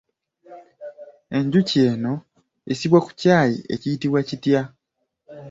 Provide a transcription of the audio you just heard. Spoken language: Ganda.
Enjuki eno esibwa ku kyayi ekiyitibwa kitya?